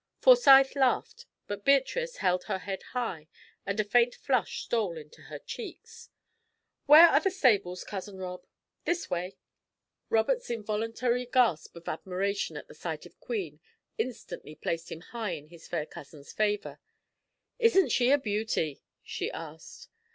Forsyth laughed, but Beatrice held her head high, and a faint flush stole into her cheeks. "Where are the stables, Cousin Rob?" "This way." Robert's involuntary gasp of admiration at the sight of Queen instantly placed him high in his fair cousin's favour. "Isn't she a beauty?" she asked.